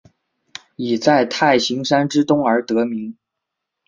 以在太行山之东而得名。